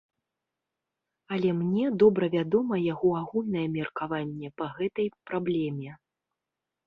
Але мне добра вядома яго агульнае меркаванне па гэтай праблеме.